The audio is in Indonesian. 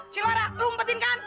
si laura lu umpetin kan